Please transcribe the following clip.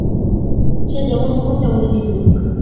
সে যেমন মুখর তেমনি নিন্দুক।